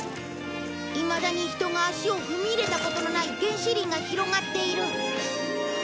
いまだに人が足を踏み入れたことのない原始林が広がっている。